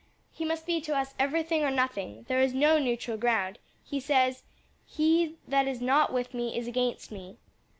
He must be to us everything or nothing; there is no neutral ground; he says, 'He that is not with me is against me.'"